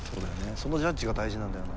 そのジャッジが大事なんだよな。